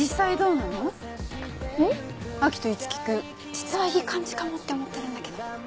実はいい感じかもって思ってるんだけど。